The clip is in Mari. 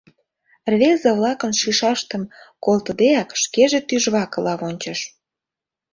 Рвезе-влакын шӱшаштым колтыдеак, шкеже тӱжвакыла вончыш.